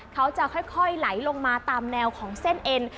เขาจะค่อยไหลลงมาตามแนวของเส้นเอ็น